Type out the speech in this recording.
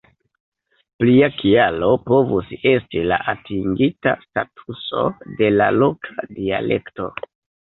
Plia kialo povus esti la atingita statuso de la loka dialekto.